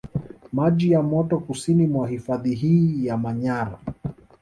Maji ya moto kusini mwa hifadhi hii ya Manyara